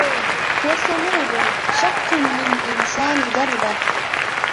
و صمود شق للإنسان دربه